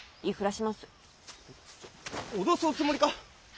ちょ脅すおつもりか。